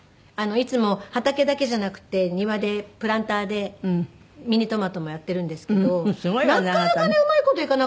いつも畑だけじゃなくて庭でプランターでミニトマトもやってるんですけどなかなかねうまい事いかなかったの。